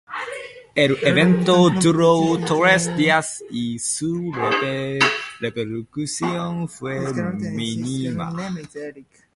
El evento duró tres días y su repercusión fue mínima.